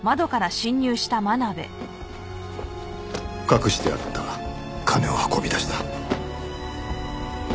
隠してあった金を運び出した。